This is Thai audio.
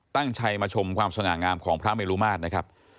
ตั้งใจมาชมความสง่างามของพระเมลุมาตรนะครับ